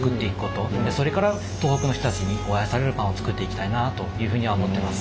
それから東北の人たちに愛されるパンを作っていきたいなというふうには思ってます。